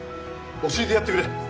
教えてやってくれ